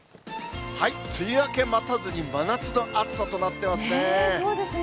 梅雨明け待たずに真夏の暑さそうですね。